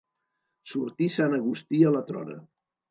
Sortir sant Agustí a la trona.